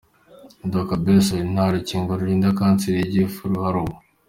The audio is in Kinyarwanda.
Dr Belson: Nta rukingo rurinda kanseri y’igifu ruhari ubu.